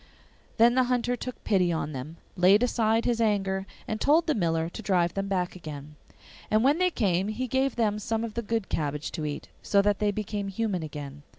Then the Hunter took pity on them, laid aside his anger, and told the miller to drive them back again. And when they came he gave them some of the good cabbage to eat, so that they became human again.